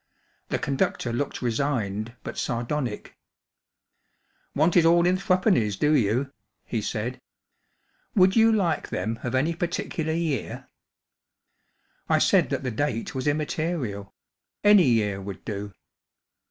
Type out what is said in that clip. The conductor looked resigned but sardonic. " ‚Äė Want it all in threepennies, do you ?' he said. * Would you like them of any parti¬ cular year ?'" I said that the date was immaterial* Any year would do.